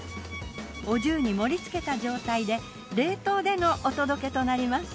お重に盛り付けた状態で冷凍でのお届けとなります。